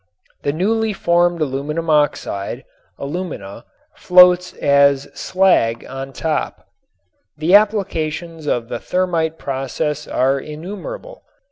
The newly formed aluminum oxide (alumina) floats as slag on top. The applications of the thermit process are innumerable.